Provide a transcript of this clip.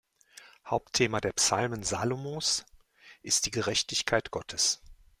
Hauptthema der Psalmen Salomos ist die Gerechtigkeit Gottes.